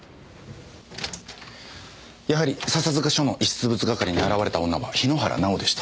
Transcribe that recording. やはり笹塚署の遺失物係に現れた女は桧原奈緒でした。